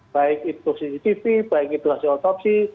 baik itu cctv baik itu hasil otopsi